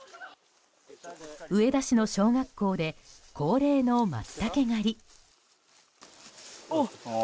上田市の小学校で恒例のマツタケ狩り。